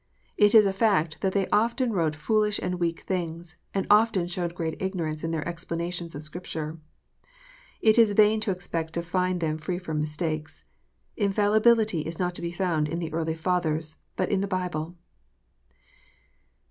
It is a fact that they often wrote foolish and weak things, and often showed great ignorance in their explanations of Scripture. It is vain to expect to find them free from mistakes. Infallibility is not to be found in the early fathers, but in the Bible.